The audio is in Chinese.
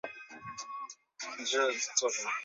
帕尔梅兰蒂是巴西托坎廷斯州的一个市镇。